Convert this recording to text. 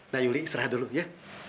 nah yuli istirahat dulu ya